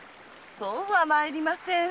そうはまいりません。